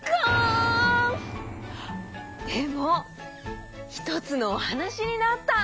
でもひとつのおはなしになった！